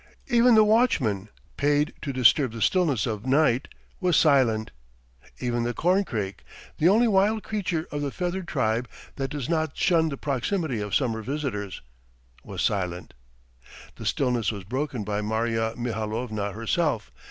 Even the watchman, paid to disturb the stillness of night, was silent; even the corncrake the only wild creature of the feathered tribe that does not shun the proximity of summer visitors was silent. The stillness was broken by Marya Mihalovna herself.